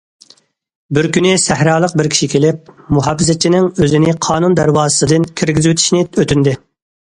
بىر كۈنى سەھرالىق بىر كىشى كېلىپ، مۇھاپىزەتچىنىڭ ئۆزىنى قانۇن دەرۋازىسىدىن كىرگۈزۈۋېتىشنى ئۆتۈندى.